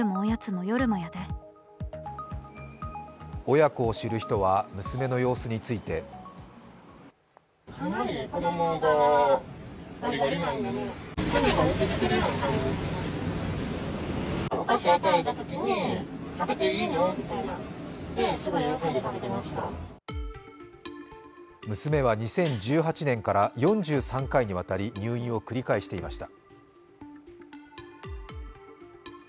親子を知る人は娘の様子について娘は２０１８年から４３回にわたり入院を繰り返していました。